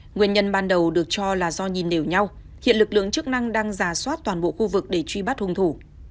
nguyên nhân ban đầu được cho là do nhìn đều nhau hiện lực lượng chức năng đang giả soát toàn bộ khu vực để truy bắt hung thủ